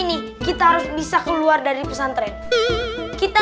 hari kita bisa keluar dari pesantren kita